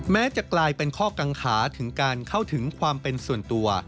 แม้จะกลายเป็นข้อกังขาถึงการเข้าถึงความเป็นส่วนตัว